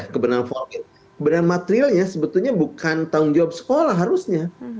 kebenaran materialnya sebetulnya bukan tanggung jawab sekolah harusnya